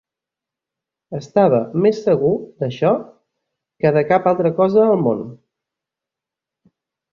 Estava més segur d'això que de cap altra cosa al món.